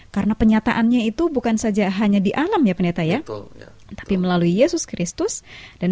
kota sion yang terindah